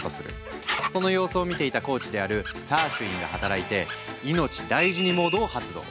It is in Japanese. その様子を見ていたコーチであるサーチュインが働いて「いのちだいじにモード」を発動。